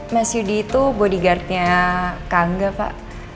mas yudi itu bodyguardnya kangga pak